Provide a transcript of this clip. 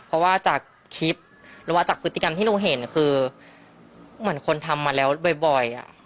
เพราะว่าจากคลิปหรือว่าจากพฤติกรรมที่หนูเห็นคือเหมือนคนทำมาแล้วบ่อย